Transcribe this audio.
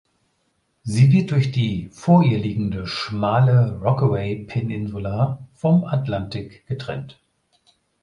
Sie wird durch die vor ihr liegende, schmale Rockaway Peninsula vom Atlantik getrennt.